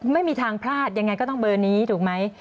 ไม่มีทางพลาดยังไงก็ต้องเบอร์นี้ถูกไหม